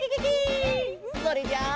それじゃあ。